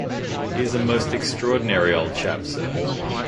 He is a most extraordinary old chap, sir.